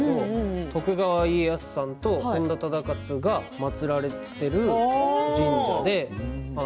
徳川家康さんと本多忠勝が祭られている神社です。